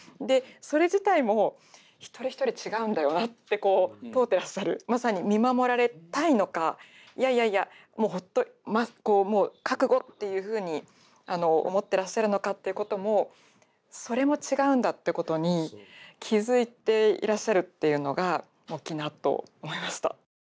でそれ自体も一人一人違うんだよなって問うてらっしゃるまさに見守られたいのかいやいやいやもう覚悟っていうふうに思ってらっしゃるのかってこともそれも違うんだってことに気付いていらっしゃるっていうのが大きいなと思いました。